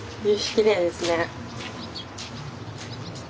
きれいですね。